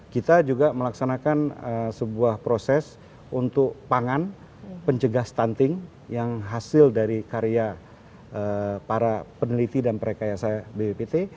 kita juga melaksanakan sebuah proses untuk pangan pencegah stunting yang hasil dari karya para peneliti dan prekayasa bppt